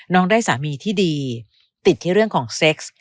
ได้สามีที่ดีติดที่เรื่องของเซ็กซ์